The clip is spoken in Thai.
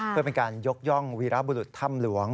เพื่อเป็นการยกย่องวีรบุรุษถ้ำหลวง